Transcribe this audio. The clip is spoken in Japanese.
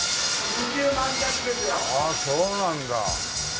ああそうなんだ。